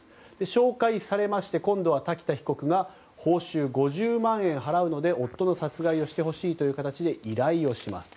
紹介されまして今度は瀧田被告が報酬５０万円を払うので夫の殺害をしてほしいという形で依頼をします。